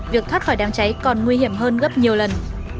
việc thoát khỏi đám cháy còn nguy hiểm hơn gấp nhiều lần